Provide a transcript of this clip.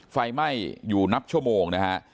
ไฟไหม้อยู่นับชั่วโมงนะฮะ